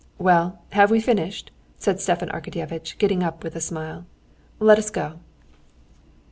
"Well, have we finished?" said Stepan Arkadyevitch, getting up with a smile. "Let us go."